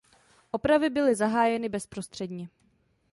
Opravy byly zahájeny bezprostředně.